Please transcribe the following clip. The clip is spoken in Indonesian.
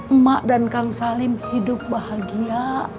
emak dan kang salim hidup bahagia